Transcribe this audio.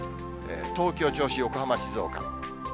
東京、銚子、横浜、静岡。